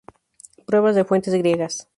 Pruebas de fuentes griegas.